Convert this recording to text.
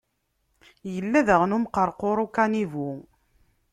Yella daɣen umqerqur ukanivu.